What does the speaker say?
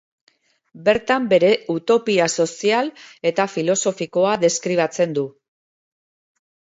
Bertan bere utopia sozial eta filosofikoa deskribatzen du.